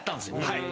はい。